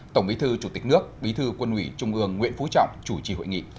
tổng bí thư chủ tịch nước bí thư quân ủy trung ương nguyễn phú trọng chủ trì hội nghị